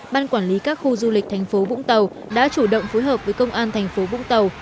ban quản lý các khu du lịch thành phố vũng tàu đã chủ động phối hợp với công an thành phố vũng tàu